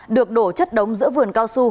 được đổ chất đống giữa vườn cao su